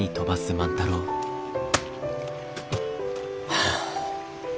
はあ。